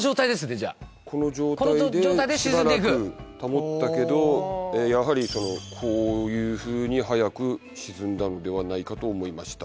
じゃあこの状態でしばらく保ったけどやはりこういうふうに早く沈んだのではないかと思いました